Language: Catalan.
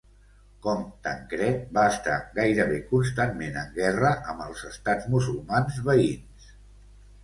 Com Tancred, va estar gairebé constantment en guerra amb els estats musulmans veïns.